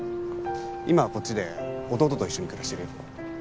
今はこっちで弟と一緒に暮らしてるよ。